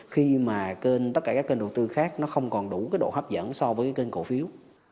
khi mà tất cả các kênh đầu tư khác nó không còn đủ độ hấp dẫn so với kênh cổ phiếu